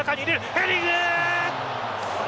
ヘディング！